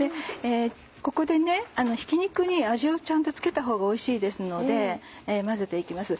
ここでひき肉に味をちゃんと付けたほうがおいしいですので混ぜて行きます。